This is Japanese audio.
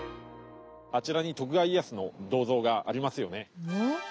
あちらに徳川家康の銅像がありますよね。